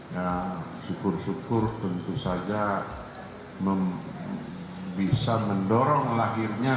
ya syukur syukur tentu saja bisa mendorong lahirnya